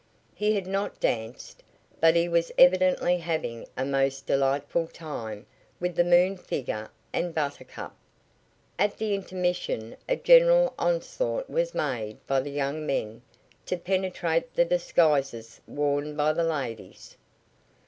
He had not danced, but he was evidently having a most delightful time with the Moon figure and Buttercup. At the intermission a general onslaught was made by the young men to penetrate the disguises worn by the ladies.